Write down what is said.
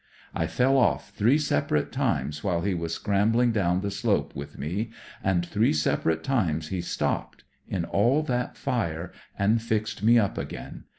I fell off three separate times while he was scramb ling down the slope with me, and three separate times he stopped, in all that fire, and fixed me up again.